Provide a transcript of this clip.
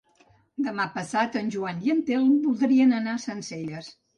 Demà passat en Joan i en Telm voldrien anar a Sencelles.